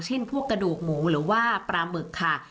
เช่นพวกกระดูกหมูหรือว่าปลาหมึกค่ะ